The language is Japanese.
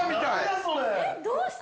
◆え、どうして！？